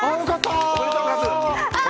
おめでとう、カズ！